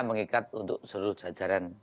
mengikat untuk seluruh jajaran